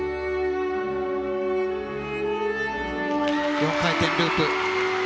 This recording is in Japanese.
４回転ループ。